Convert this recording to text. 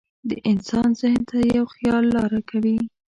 د انسان ذهن ته یو خیال لاره کوي.